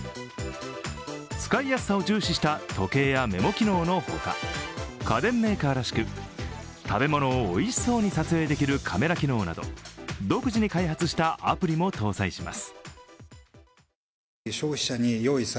使いやすさを重視した時計やメモ機能のほか家電メーカーらしく、食べ物をおいしそうに撮影できるカメラ機能など独自に開発したアプリも搭載します。